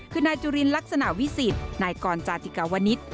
คือนายจุลินลักษณะวิสิทธิ์นายกรจาติกาวนิษฐ์